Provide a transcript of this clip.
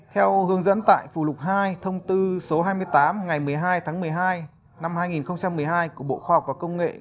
theo hướng dẫn tại phủ lục hai thông tư số hai mươi tám ngày một mươi hai tháng một mươi hai năm hai nghìn một mươi hai của bộ khoa học và công nghệ